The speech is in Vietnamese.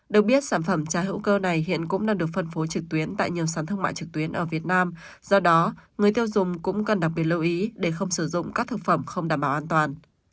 được biết sản phẩm trà hữu cơ này hiện cũng đang được phân phối trực tuyến tại nhiều sản thương mại trực tuyến ở việt nam do đó người tiêu dùng cũng cần đặc biệt lưu ý để không sử dụng các thực phẩm không đảm bảo an toàn